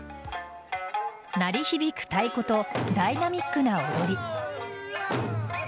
鳴り響く太鼓とダイナミックな踊り。